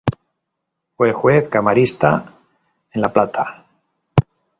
Fue juez camarista en La Plata.